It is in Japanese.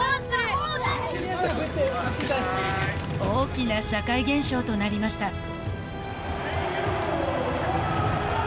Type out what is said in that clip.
大きな社会現象となりました。